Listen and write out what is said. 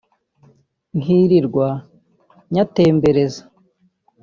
nkirirwa nyatembereza